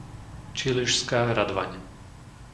Čiližská Radvaň